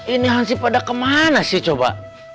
ini hansip ada kemana sih coba